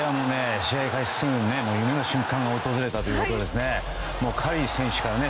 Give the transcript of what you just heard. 試合開始すぐに夢の瞬間が訪れたということですね。